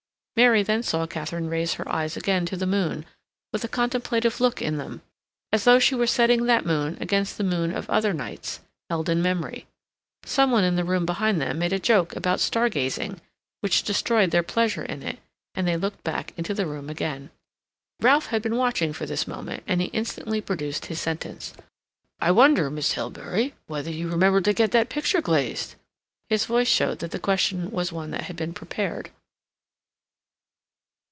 Mary then saw Katharine raise her eyes again to the moon, with a contemplative look in them, as though she were setting that moon against the moon of other nights, held in memory. Some one in the room behind them made a joke about star gazing, which destroyed their pleasure in it, and they looked back into the room again. Ralph had been watching for this moment, and he instantly produced his sentence. "I wonder, Miss Hilbery, whether you remembered to get that picture glazed?" His voice showed that the question was one that had been prepared.